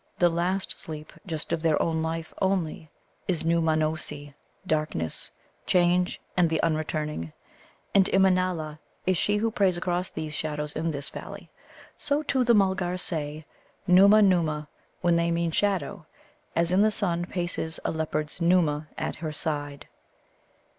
The last sleep just of their own life only is Nōōmanossi darkness, change, and the unreturning. And Immanâla is she who preys across these shadows, in this valley. So, too, the Mulgars say, "Nōōma, Nōōma," when they mean shadow, as "In the sun paces a leopard's Nōōma at her side."